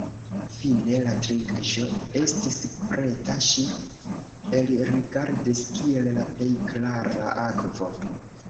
Fine la trinkaĵo estis preta; ŝi elrigardis kiel la plej klara akvo.